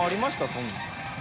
そんなの。）